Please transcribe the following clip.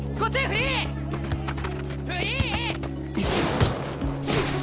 フリー！